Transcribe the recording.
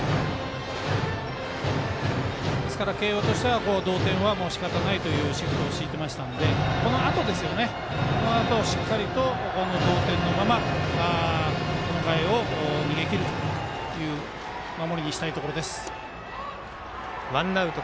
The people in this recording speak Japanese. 慶応としては同点はしかたないというシフトを敷いてましたのでこのあとしっかりと同点のままこの回を逃げきるという守りにしたいところです。